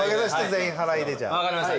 分かりました。